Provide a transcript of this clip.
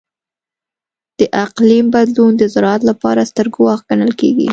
د اقلیم بدلون د زراعت لپاره ستر ګواښ ګڼل کېږي.